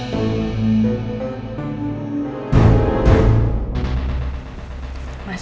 aku telfon balik deh